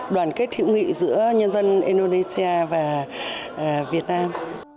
đoàn kết hữu nghị giữa nhân dân indonesia và việt nam